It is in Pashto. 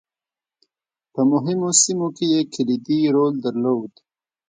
په مهمو سیمو کې یې کلیدي رول درلود.